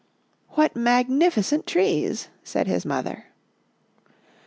" What magnificent trees," said his mother.